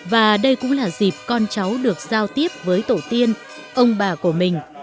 và đây cũng là dịp con cháu được giao tiếp với tổ tiên ông bà của mình